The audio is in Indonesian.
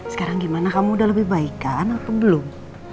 sekarang gimana kamu udah lebih baik kan aku belum